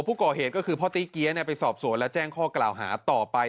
ผู้ก่อเหตุก็คือพ่อตีเกี้ยไปสอบสวนและแจ้งข้อกล่าวหาต่อไป